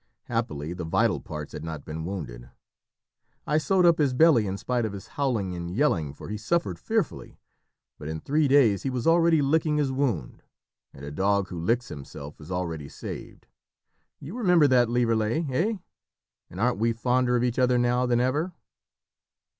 Happily the vital parts had not been wounded. I sewed up his belly in spite of his howling and yelling, for he suffered fearfully; but in three days he was already licking his wound, and a dog who licks himself is already saved. You remember that, Lieverlé, hey! and aren't we fonder of each other now than ever?"